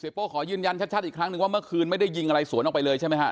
โป้ขอยืนยันชัดอีกครั้งนึงว่าเมื่อคืนไม่ได้ยิงอะไรสวนออกไปเลยใช่ไหมฮะ